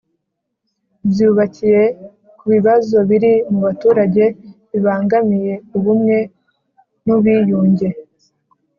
Byubakiye ku bibazo biri mu baturage bibangamiye ubumwe n ubiyunge